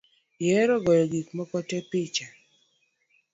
Ihero goyo gik moko te picha